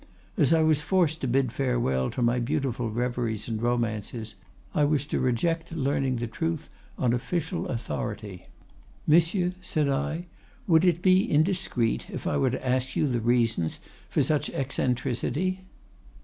As I was forced to bid farewell to my beautiful reveries and romances, I was to reject learning the truth on official authority. "'Monsieur,' said I, 'would it be indiscreet if I were to ask you the reasons for such eccentricity?